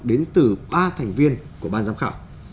đến từ ba thành viên của ban giám khảo